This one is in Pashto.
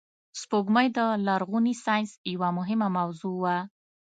سپوږمۍ د لرغوني ساینس یوه مهمه موضوع وه